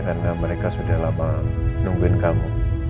karena mereka sudah lama nungguin kamu